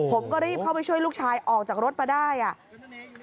ผมก็รีบเข้าไปช่วยลูกชายออกจากรถมาได้อ่ะ